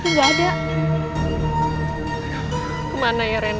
gini ada penularan